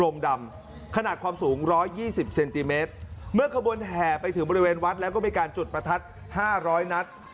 เจอขบวนแห่ไปถึงบริเวณวัดแล้วก็มีการจุดประทัด๕๐๐นัตร